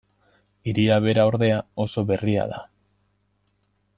Hiria bera ordea oso berria da.